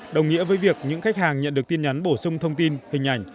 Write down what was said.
đồng nghĩa với việc những khách hàng nhận được tin nhắn bổ sung thông tin hình ảnh